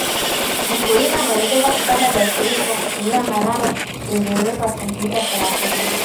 Mkulima anaelekezwa kupanda viazi lishe kwa kutumia Marando yenye urefu wa sentimita thelathini